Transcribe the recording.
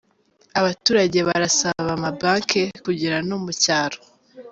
Abaturajye barasab’ amabanke kugera no mu cyaro